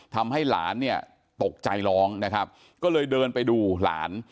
ทำให้หลานเนี่ยตกใจร้องนะครับก็เลยเดินไปดูหลาน